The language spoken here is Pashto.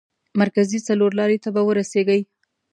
مرکزي څلور لارې ته به ورسېږئ.